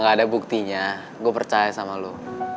gak ada buktinya gue percaya sama lo